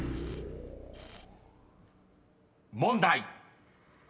［問題］